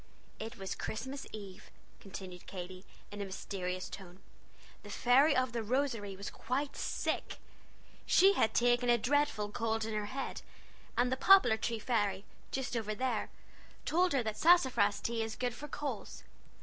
"It was Christmas Eve," continued Katy, in a mysterious tone. "The fairy of the Rosary was quite sick. She had taken a dreadful cold in her head, and the poplar tree fairy, just over there, told her that sassafras tea is good for colds.